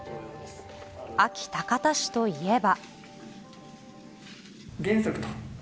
安芸高田市といえば。